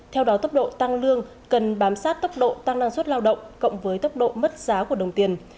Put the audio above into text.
theo đó tốc độ tăng lương cần bám sát tốc độ tăng năng suất lao động cộng với tốc độ mất giá của đồng tiền